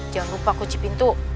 jangan lupa kunci pintu